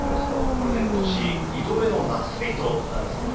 これで今年２度目の夏日となるそうです。